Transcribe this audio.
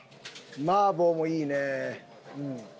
麻婆もいいね。